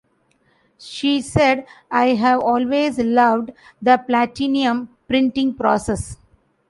She said I have always loved the platinum printing process.